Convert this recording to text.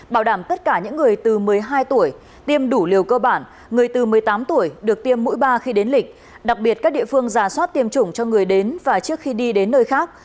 bảo đảm tất cả những người từ một mươi hai tuổi tiêm đủ liều cơ bản người từ một mươi tám tuổi được tiêm mũi ba khi đến lịch đặc biệt các địa phương giả soát tiêm chủng cho người đến và trước khi đi đến nơi khác